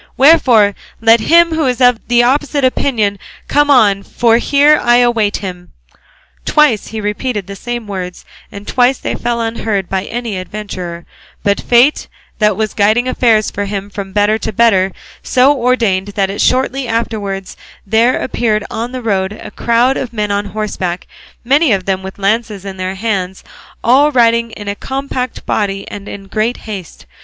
Wherefore, let him who is of the opposite opinion come on, for here I await him." Twice he repeated the same words, and twice they fell unheard by any adventurer; but fate, that was guiding affairs for him from better to better, so ordered it that shortly afterwards there appeared on the road a crowd of men on horseback, many of them with lances in their hands, all riding in a compact body and in great haste.